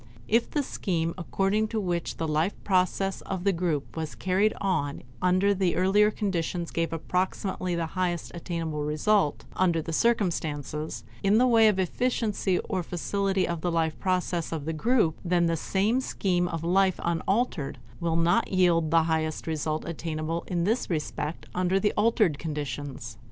If the scheme according to which the life process of the group was carried on under the earlier conditions gave approximately the highest attainable result under the circumstances in the way of efficiency or facility of the life process of the group; then the same scheme of life unaltered will not yield the highest result attainable in this respect under the altered conditions.